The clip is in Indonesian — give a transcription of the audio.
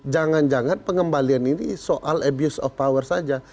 jangan jangan pengembalian ini soal abuse of power saja